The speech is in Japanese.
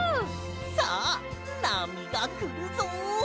さあなみがくるぞ！